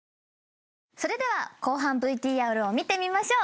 それでは後半ＶＴＲを見てみましょう。